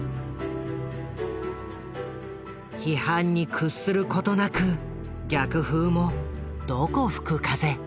批判に屈することなく逆風もどこ吹く風。